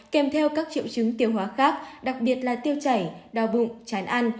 kèm theo các triệu chứng tiêu hóa khác đặc biệt là tiêu chảy đau bụng chán ăn